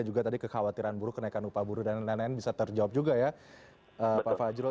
dan juga tadi kekhawatiran buruh kenaikan upah buruh dan lain lain bisa terjawab juga ya pak fajro